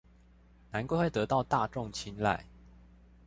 難怪會得到大眾親睞